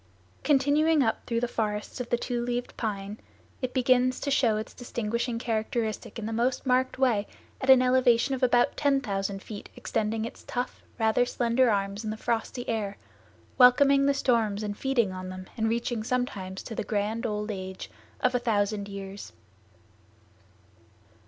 Continuing up through the forests of the two leaved pine it begins to show its distinguishing characteristic in the most marked way at an elevation of about 10,000 feet extending its tough, rather slender arms in the frosty air, welcoming the storms and feeding on them and reaching sometimes to the grand old age of 1000 years.